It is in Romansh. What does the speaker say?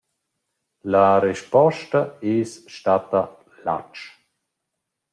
La resposta ais statta «Latsch».